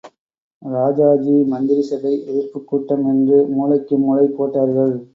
ராஜாஜி மந்திரிசபை எதிர்ப்புக் கூட்டம் என்று மூலைக்கு மூலை போட்டார்கள்.